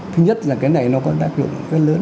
thứ nhất là cái này nó có tác dụng rất lớn